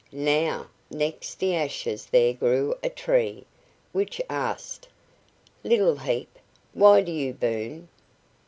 Now, next the ashes there grew a tree, which asked: "Little heap, why do you burn?"